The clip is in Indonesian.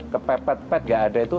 kepepet pepet nggak ada itu